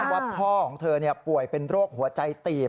ว่าพ่อของเธอป่วยเป็นโรคหัวใจตีบ